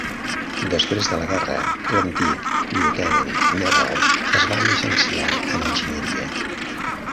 Després de la guerra, l'antic "Leutnant" Nebel es va llicenciar en enginyeria.